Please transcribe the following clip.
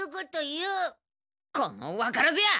このわからず屋！